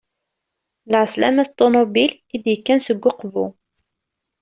Lɛeslama s ṭunubil, i d-yekkan seg Uqbu.